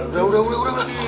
udah udah udah